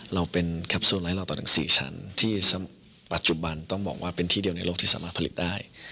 เราเป็นแคปซูไลท์เราต่อทั้ง๔ชั้นที่ปัจจุบันต้องบอกว่าเป็นที่เดียวในโลกที่สามารถผลิตได้